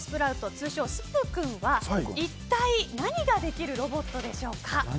通称スプ君は一体何ができるロボットでしょうか？